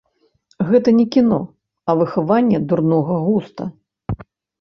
Гэта не кіно, а выхаванне дурнога густа.